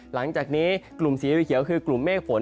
หลังจากนี้กลุ่มสีเขียวคือกลุ่มเมฆฝน